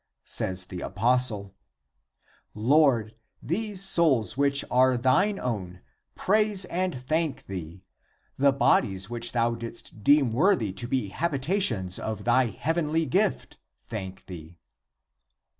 Says the apostle, " Lord, these souls which are thine own, praise and thank thee ; the bodies which thou didst deem worthy to be habitations of thy heavenly gift thank thee."